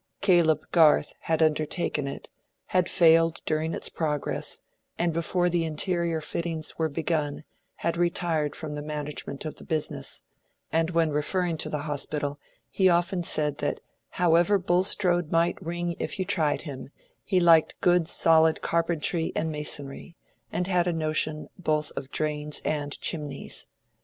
Caleb Garth had undertaken it, had failed during its progress, and before the interior fittings were begun had retired from the management of the business; and when referring to the Hospital he often said that however Bulstrode might ring if you tried him, he liked good solid carpentry and masonry, and had a notion both of drains and chimneys.